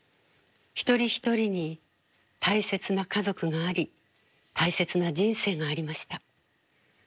一人一人に大切な家族があり大切な人生がありました。